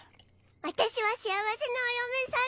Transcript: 私は幸せなお嫁さんになる！